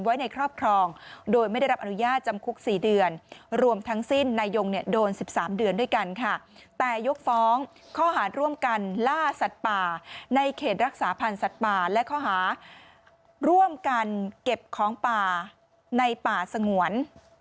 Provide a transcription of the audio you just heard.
และข้อหาร่วมกันเก็บของป่าในป่าสงวน